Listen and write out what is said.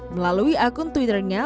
melalui akun twitternya